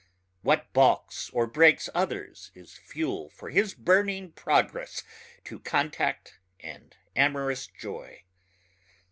What baulks or breaks others is fuel for his burning progress to contact and amorous joy.